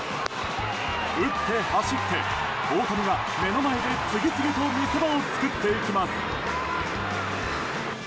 打って、走って、大谷が目の前で次々と見せ場を作っていきます。